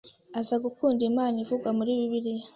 aza gukunda Imana ivugwa muri Bibiliya.